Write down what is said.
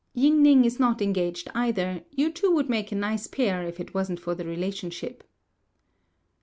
Ying ning is not engaged either: you two would make a nice pair if it wasn't for the relationship."